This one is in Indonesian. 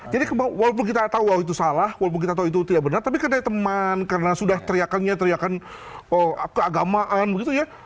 jadi walaupun kita tahu itu salah walaupun kita tahu itu tidak benar tapi karena teman karena sudah teriakannya teriakan keagamaan begitu ya